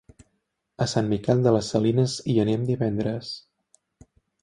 A Sant Miquel de les Salines hi anem divendres.